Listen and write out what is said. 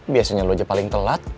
biasanya lu aja paling telat